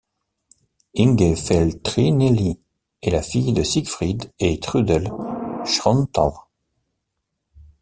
Inge Feltrinelli est la fille de Siegfried et Trudel Schönthal.